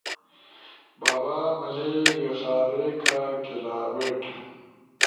بابا ملے، ویخاریکا کیلابیٹ